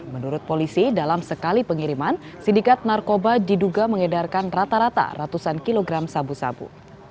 menurut polisi dalam sekali pengiriman sindikat narkoba diduga mengedarkan rata rata ratusan kilogram sabu sabu